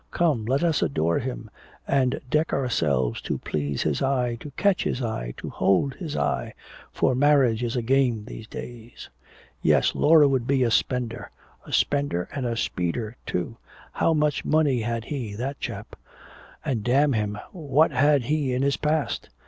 Come let us adore him, and deck ourselves to please his eye, to catch his eye, to hold his eye! For marriage is a game these days!" Yes, Laura would be a spender, a spender and a speeder too! How much money had he, that chap? And damn him, what had he in his past?